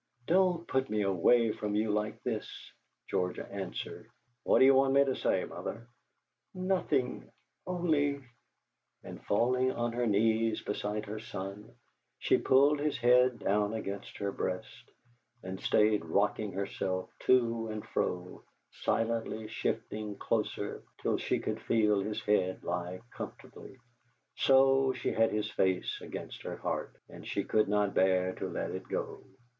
Don't put me away from you like this!" George answered: "What do you want me to say, Mother?" "Nothing only " And falling on her knees beside her son, she pulled his head down against her breast, and stayed rocking herself to and fro, silently shifting closer till she could feel his head lie comfortably; so, she had his face against her heart, and she could not bear to let it go.